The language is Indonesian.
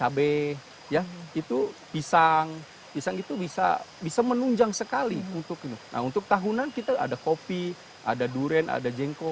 ada juga harga produk